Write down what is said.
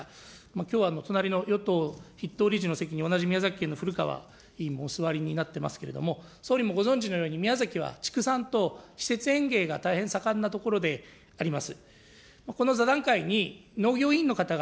きょうは隣の与党筆頭理事の席に同じ宮崎県のふるかわ議員もお座りになっていますけれども、総理もご存じのように、宮崎は畜産とが大変盛んなところであります。